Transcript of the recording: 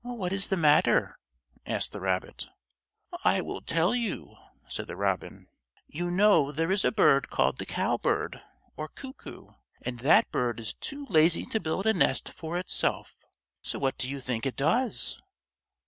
"What is the matter?" asked the rabbit. "I will tell you," said the robin. "You know there is a bird called the cowbird or cuckoo, and that bird is too lazy to build a nest for itself. So what do you think it does?"